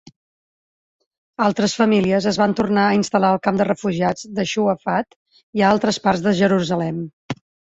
Altres famílies es van tornar a instal·lar al camp de refugiats de Shu'afat i a altres parts de Jerusalem.